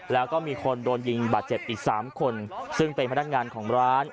แล้วก็มีคนโดนยิงบาดเจ็บอีก๓คนซึ่งเป็นพนักงานของร้าน